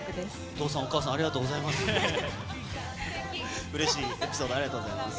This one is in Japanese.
お父さん、お母さん、ありがとうございます。